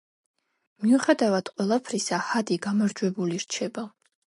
მიუხედავად ყველაფრისა, ჰადი გამარჯვებული რჩება.